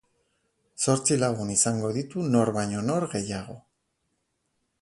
Zortzi lagun izango ditu nor baino nor gehiago.